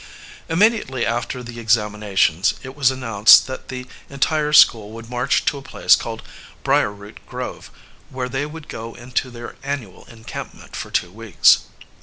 Immediately after the examinations it was announced that the entire school would march to a place called Brierroot Grove, where they would go into their annual encampment for two weeks.